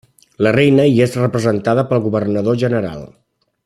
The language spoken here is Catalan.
La Reina hi és representada pel governador-general.